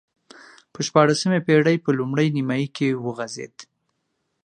په شپاړسمې پېړۍ په لومړۍ نییمایي کې وغځېد.